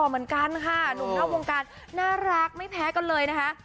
เหมือนกันค่ะหนุ่มนอกวงการน่ารักไม่แพ้กันเลยนะคะ